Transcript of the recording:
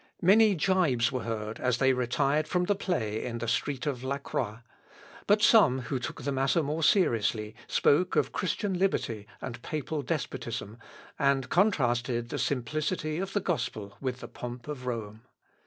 Many jibes were heard as they retired from the play in the street of La Croix; but some who took the matter more seriously, spoke of Christian liberty and papal despotism, and contrasted the simplicity of the gospel with the pomp of Rome.